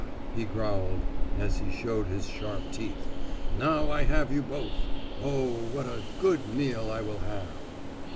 he growled, as he showed his sharp teeth, "now I have you both! Oh, what a good meal I will have!"